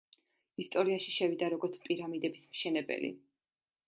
ისტორიაში შევიდა როგორც პირამიდების მშენებელი.